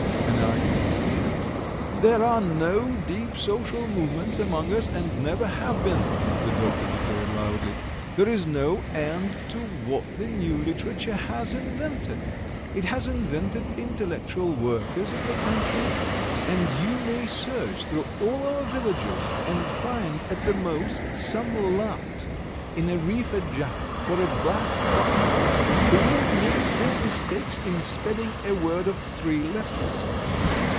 An argument began. "There are no deep social movements among us and never have been," the doctor declared loudly. "There is no end to what the new literature has invented! It has invented intellectual workers in the country, and you may search through all our villages and find at the most some lout in a reefer jacket or a black frock coat who will make four mistakes in spelling a word of three letters.